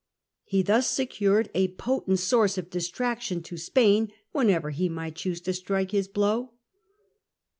He thus secured a potent source of distraction to Spain whenever he might choose to strike his blow.